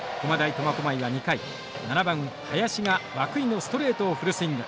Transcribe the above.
苫小牧は２回７番林が涌井のストレートをフルスイング。